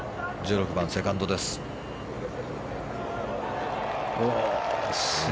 １６番、セカンドです。